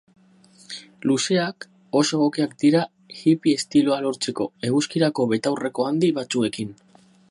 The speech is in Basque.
Luzeak oso egokiak dira hippie estiloa lortzeko, eguzkirako betaurreko handi batzuekin.